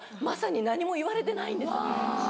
まさに何も言われてないんです。